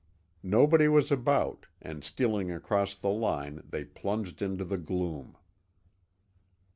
Nobody was about, and stealing across the line, they plunged into the gloom.